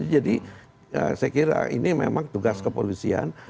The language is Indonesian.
jadi saya kira ini memang tugas kepolisian